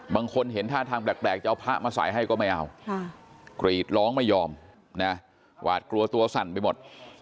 บางคนเห็นท่าทางแปลกจะเอาพระมาใส่ให้ก็ไม่เอากรีดร้องไม่ยอมนะหวาดกลัวตัวสั่นไปหมด